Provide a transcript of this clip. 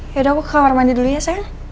yaudah aku ke kamar mandi dulu ya sayang